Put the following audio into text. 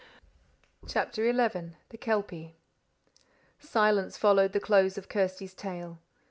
CHAPTER XI The Kelpie Silence followed the close of Kirsty's tale.